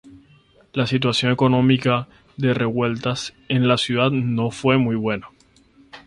La situación económica de Revueltas en la ciudad no fue muy buena.